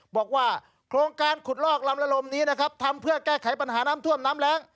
บอกว่าโครงการขุดลอกลำละลมนี้นะครับทำเพื่อแก้ไขปัญหาน้ำท่วมน้ำแรง